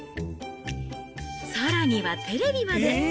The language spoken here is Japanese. さらにはテレビまで。